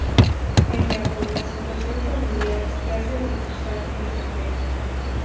Ella, por la situación familiar, se hace bautizar en secreto.